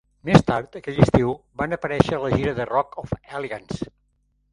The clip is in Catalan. Més tard, aquell estiu, van aparèixer a la gira Rock of Allegiance.